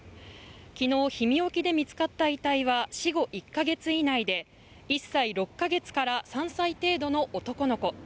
昨日、氷見沖で見つかった遺体は死後１か月以内で１歳６か月から３歳程度の男の子。